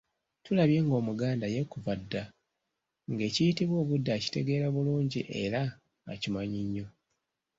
Tulabye ng'Omuganda ye kuva dda nga ekiyitibwa obudde akitegeera bulungi era akimanyi nnyo .